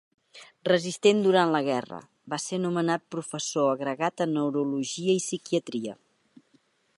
Resistent durant la guerra, va ser nomenat professor agregat en neurologia i psiquiatria.